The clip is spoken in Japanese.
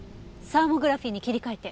サーモグラフィーに切り替えて。